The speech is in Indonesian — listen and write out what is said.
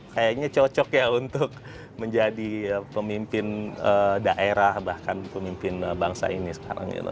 kayaknya cocok ya untuk menjadi pemimpin daerah bahkan pemimpin bangsa ini sekarang